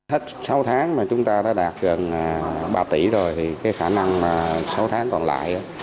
hết sáu tháng mà chúng ta đã đạt gần ba tỷ rồi thì cái khả năng mà sáu tháng còn lại